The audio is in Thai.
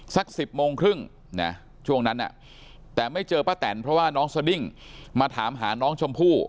สัก๑๐โมงครึ่งช่วงนั้นแต่ไม่เจอป้าแตนเพราะว่าน้องสดิ้งมาถามหาน้องชมพู่